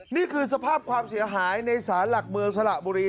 นี่คือสภาพความเสียหายในสารหลักเมืองสระบุรี